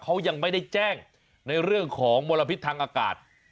เขายังไม่ได้แจ้งในเรื่องของมลพิษทางอากาศ